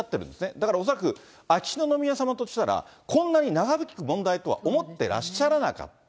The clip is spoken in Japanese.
だから恐らく、秋篠宮さまとしたら、こんなに長引く問題とは思ってらっしゃらなかった。